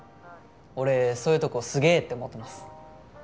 俺そういうとこすげえって思ってます。